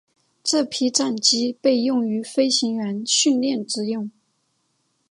这批战机被用于飞行员训练之用。